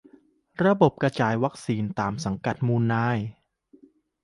ระบบกระจายวัคซีนตามสังกัดมูลนาย